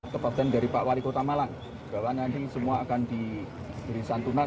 kebabkan dari pak wali kota malang bahwa nanti semua akan diberi santunan